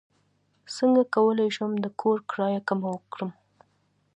څنګه کولی شم د کور کرایه کمه کړم